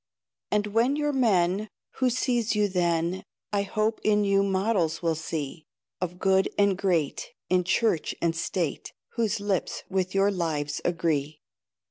And when you're men, Who sees you then I hope in you models will see, Of good and great, In Church and State, Whose lips with your lives agree.